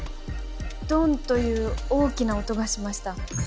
ドンという大きな音がしました。